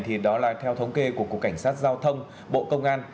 thì đó là theo thống kê của cục cảnh sát giao thông bộ công an